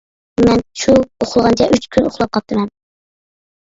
مەن شۇ ئۇخلىغانچە ئۈچ كۈن ئۇخلاپ قاپتىمەن.